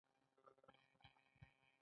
د ناک دانه د قبضیت لپاره وکاروئ